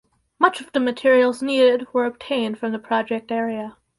Much of the materials needed were obtained from the project area.